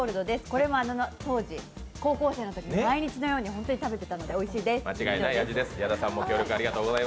これも当時、高校生のとき毎日のように本当に食べてたのでおいしいです、以上です。